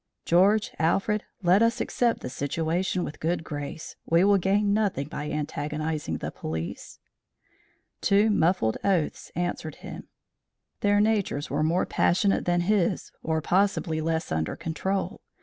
"George, Alfred, let us accept the situation with good grace; we will gain nothing by antagonising the police." Two muffled oaths answered him; their natures were more passionate than his, or possibly less under control.